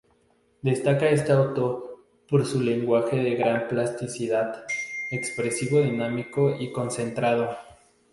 Destaca este auto por su lenguaje de gran plasticidad, expresivo, dinámico y concentrado.